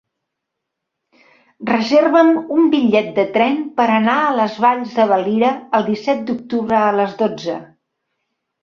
Reserva'm un bitllet de tren per anar a les Valls de Valira el disset d'octubre a les dotze.